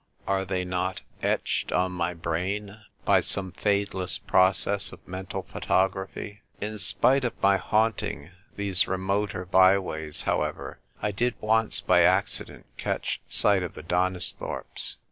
Are they not etched on my brain by some fadeless process of mental photography ? In spite of my haunting these remoter by ways, however, 1 did once by accident catch sight of the Donisthorpes.